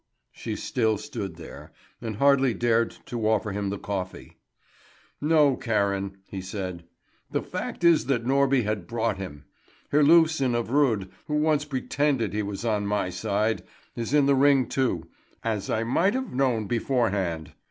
She still stood there, and hardly dared to offer him the coffee. "No, Karen," he said; "the fact is that Norby had bought him. Herlufsen of Rud, who once pretended he was on my side, is in the ring too, as I might have known beforehand.